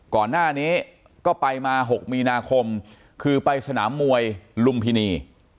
ก่อนหน้านี้ก็ไปมา๖มีนาคมคือไปสนามมวยลุมพินี